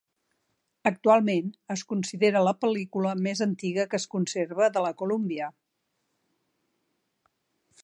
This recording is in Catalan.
Actualment es considera la pel·lícula més antiga que es conserva de la Columbia.